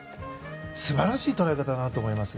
素晴らしい捉え方だなと思います。